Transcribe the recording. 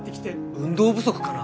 運動不足かな？